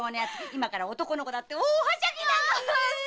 今から「男の子だ」って大はしゃぎなの！ねぇ？